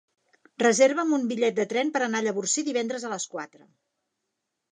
Reserva'm un bitllet de tren per anar a Llavorsí divendres a les quatre.